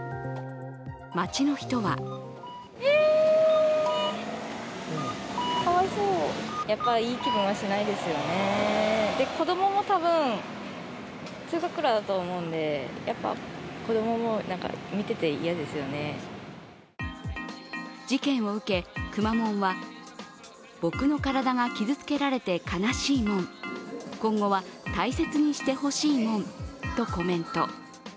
街の人は事件を受けくまモンは僕の体が傷つけられて悲しいモン今後は大切にしてほしいモンとコメント。